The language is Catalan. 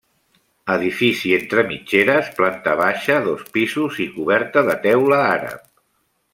Edifici entre mitgeres, planta baixa, dos pisos, i coberta de teula àrab.